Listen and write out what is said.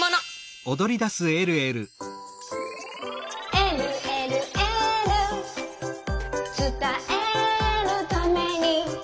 「えるえるエール」「つたえるために」